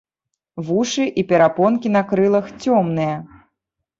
Вушы і перапонкі на крылах цёмныя.